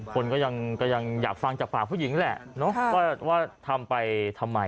คนก็ยังอยากฟังจากปากผู้หญิงแหละว่าทำไปทำไม